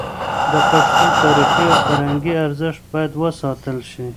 د پښتو تاریخي او فرهنګي ارزښت باید وساتل شي.